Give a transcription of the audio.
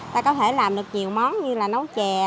ta có thể làm được nhiều món như là nấu chè